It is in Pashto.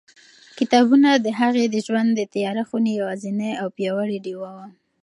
کتابونه د هغې د ژوند د تیاره خونې یوازینۍ او پیاوړې ډېوه وه.